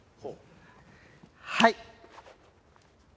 はい。